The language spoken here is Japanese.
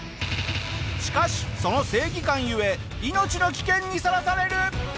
しかしその正義感ゆえ命の危険にさらされる！